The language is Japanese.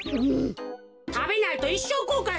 たべないといっしょうこうかいするぞ。